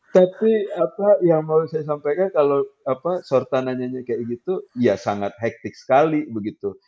tapi apa yang mau saya sampaikan kalau sorta nanya kayak gitu ya sangat hektik sekali begitu